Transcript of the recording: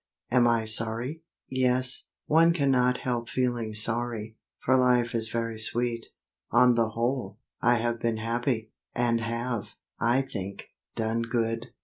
Am I sorry? Yes, one cannot help feeling sorry, for life is very sweet. On the whole, I have been happy, and have, I think, done good.